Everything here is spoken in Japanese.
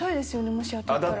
もし当たったら。